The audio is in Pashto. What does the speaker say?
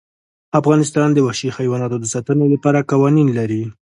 افغانستان د وحشي حیواناتو د ساتنې لپاره قوانین لري.